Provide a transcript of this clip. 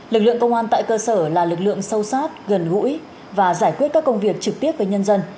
lực lượng công an tại cơ sở là lực lượng sâu sát gần gũi và giải quyết các công việc trực tiếp với nhân dân